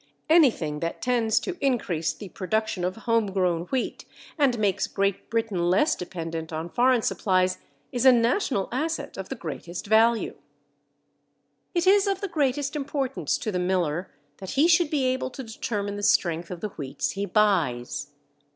Anything that tends to increase the production of home grown wheat and makes Great Britain less dependent on foreign supplies is a national asset of the greatest value. It is of the greatest importance to the miller that he should be able to determine the strength of the wheats he buys.